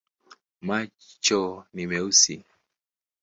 Macho ni meusi.